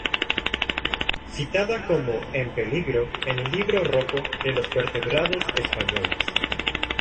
Citada como "En Peligro" en el Libro Rojo de los Vertebrados Españoles.